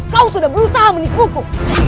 kau sudah berusaha menipuku